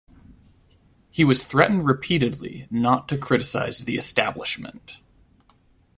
He was threatened repeatedly not to criticize The Establishment.